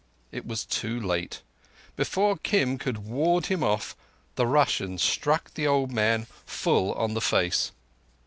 It was too late. Before Kim could ward him off, the Russian struck the old man full on the face.